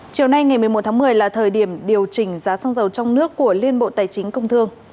chiều nay ngày một mươi một tháng một mươi là thời điểm điều chỉnh giá xăng dầu trong nước của liên bộ tài chính công thương